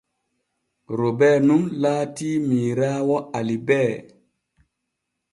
Robee nun laatii miiraawo Alibee.